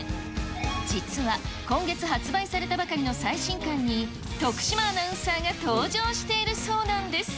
実は、今月発売されたばかりの最新刊に徳島アナウンサーが登場しているそうなんです。